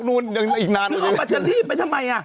หนูออกมาจะรีบไปทำไม